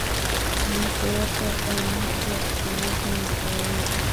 Muntu wote eko na haki ya ku uza na kuyenga